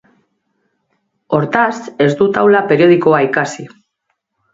Hortaz, ez du taula periodikoa ikasi.